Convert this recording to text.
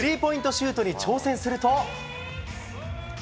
シュートに挑戦すると。